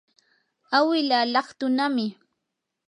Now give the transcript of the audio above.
awilaa laqtunami.